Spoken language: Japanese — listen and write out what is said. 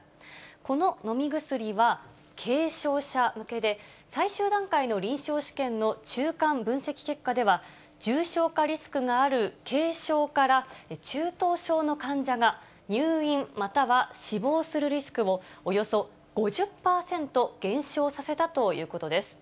この飲み薬は軽症者向けで、最終段階の臨床試験の中間分析結果では、重症化リスクがある軽症から中等症の患者が入院、または死亡するリスクを、およそ５０％減少させたということです。